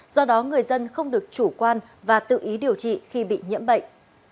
do đó người dân không được chủ quan và tự ý điều trị khi bị nhiễm bệnh